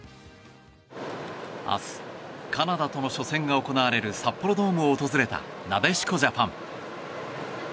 明日カナダとの初戦が行われる札幌ドームを訪れたなでしこジャパン。